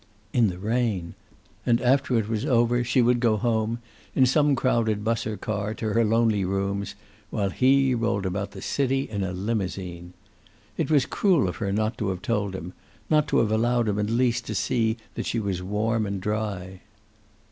In the rain! And after it was over she would go home, in some crowded bus or car, to her lonely rooms, while he rolled about the city in a limousine! It was cruel of her not to have told him, not to have allowed him at least to see that she was warm and dry.